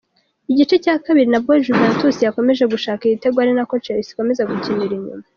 Igice cya kabiri nabwo Juventus yakomeje gushaka igitego ari nako Chelsea ikomeza gukinira inyuma.